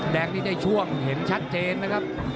แดงนี่ได้ช่วงเห็นชัดเจนนะครับ